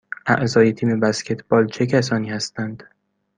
اعضای تیم بسکتبال چه کسانی هستند؟